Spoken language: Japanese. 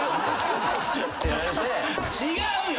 違うよ！